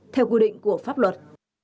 theo quy định của pháp luật